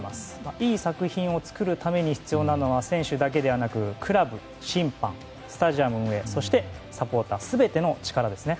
いい作品を作るために必要なのは選手だけではなくクラブ、審判、スタジアム運営そしてサポーター全ての力ですね。